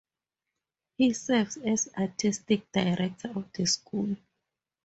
He serves as artistic director of the school.